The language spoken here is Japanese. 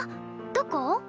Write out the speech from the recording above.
どこ？